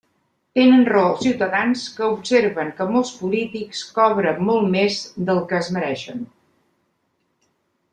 Tenen raó els ciutadans que observen que molts polítics cobren molt més del que es mereixen.